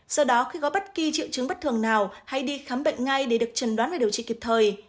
do đó khi có bất kỳ triệu chứng bất thường nào hãy đi khám bệnh ngay để được trần đoán và điều trị kịp thời